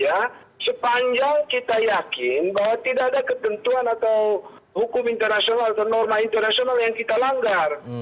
karena sepanjang kita yakin bahwa tidak ada ketentuan atau hukum internasional atau norma internasional yang kita langgar